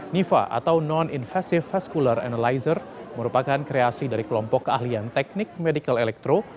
niva atau non invasive feskular analyzer merupakan kreasi dari kelompok keahlian teknik medical electro